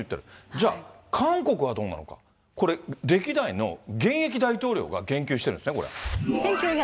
じゃあ、韓国はどうなのか、これ、歴代の現役大統領が言及してるんですね、これ。